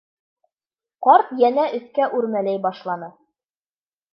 Ҡарт йәнә өҫкә үрмәләй башланы.